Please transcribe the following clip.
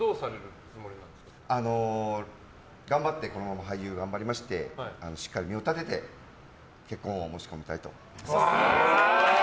俳優このまま頑張りましてしっかりを身を立てて結婚を申し込みたいと思います。